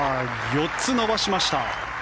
４つ伸ばしました。